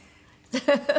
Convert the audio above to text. ハハハハ！